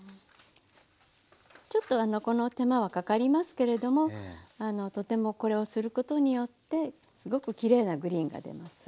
ちょっとこの手間はかかりますけれどもとてもこれをすることによってすごくきれいなグリーンが出ます。